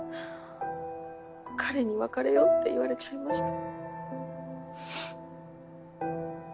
彼に別れようって言われちゃいました。